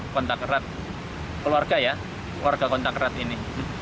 kontak erat keluarga ya warga kontak erat ini